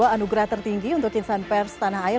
anugerah tertinggi untuk insan pers tanah air